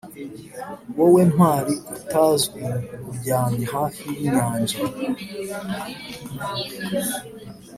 wowe ntwari utazwi uryamye hafi yinyanja